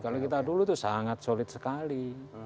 kalau kita dulu itu sangat solid sekali